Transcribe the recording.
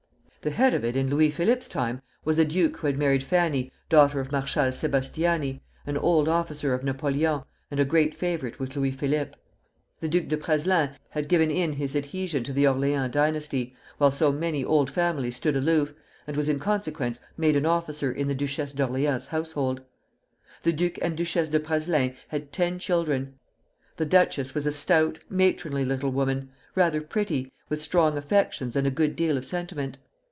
The head of it in Louis Philippe's time was a duke who had married Fanny, daughter of Marshal Sébastiani, an old officer of Napoleon and a great favorite with Louis Philippe. The Duc de Praslin had given in his adhesion to the Orleans dynasty, while so many old families stood aloof, and was in consequence made an officer in the Duchess of Orleans' household. The Duc and Duchesse de Praslin had ten children. The duchess was a stout, matronly little woman, rather pretty, with strong affections and a good deal of sentiment.